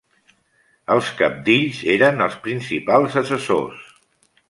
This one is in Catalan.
Els cabdills eren els principals assessors.